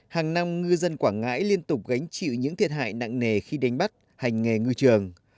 hàng năm ngư dân quảng ngãi liên tục gánh chịu những thiệt hại nặng nề khi đánh bắt hành nghề ngư trường